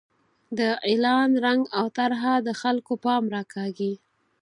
د اعلان رنګ او طرحه د خلکو پام راکاږي.